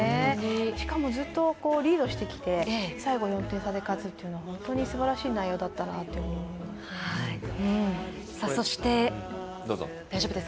しかも、ずっとリードしてきて最後、４点差で勝つというのは本当にすばらしい内容だったなと、思います。